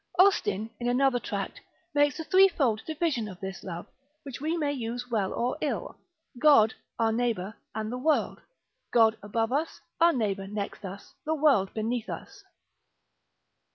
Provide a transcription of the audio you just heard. Austin, in another Tract, makes a threefold division of this love, which we may use well or ill: God, our neighbour, and the world: God above us, our neighbour next us, the world beneath us.